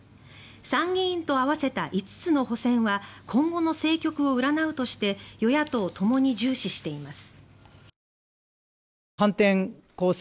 参議院と合わせた５つの補選は今後の政局を占うとして与野党ともに重視しています。